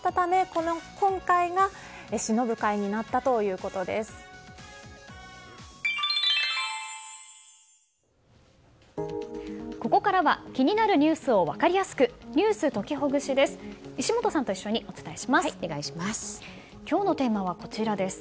ここからは気になるニュースを分かりやすくｎｅｗｓときほぐしです。